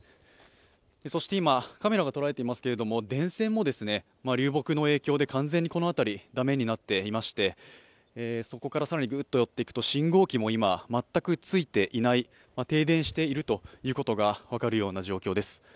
そして今、カメラが捉えていますけれども電線も流木の影響で完全にこの辺り、駄目になっていましてそこから更に信号機も今、全くついていない、停電しているということが分かる状況です。